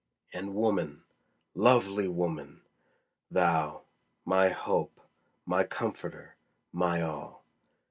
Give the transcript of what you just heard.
And woman, lovely woman! thou, My hope, my comforter, my all!